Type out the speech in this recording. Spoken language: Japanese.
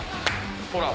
ほら。